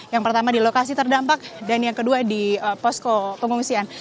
yang pertama di lokasi terdampak dan yang kedua di posko pengungsian